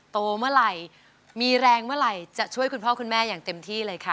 เมื่อไหร่มีแรงเมื่อไหร่จะช่วยคุณพ่อคุณแม่อย่างเต็มที่เลยค่ะ